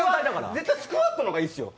絶対スクワットの方がいいですよ。